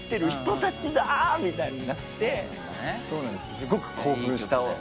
すごく興奮した。